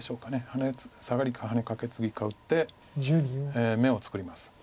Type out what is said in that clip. ハネサガリかハネカケツギか打って眼を作ります。